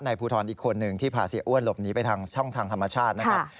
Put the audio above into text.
ภูทรอีกคนหนึ่งที่พาเสียอ้วนหลบหนีไปทางช่องทางธรรมชาตินะครับ